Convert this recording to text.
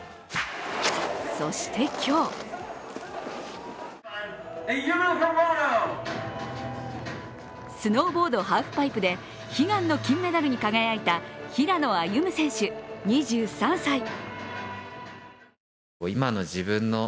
そして、今日スノーボード・ハーフパイプで悲願の金メダルに輝いた平野歩夢選手２３歳。